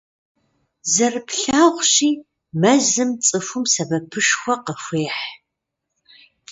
Зэрыплъагъущи, мэзым цӀыхум сэбэпышхуэ къыхуехь.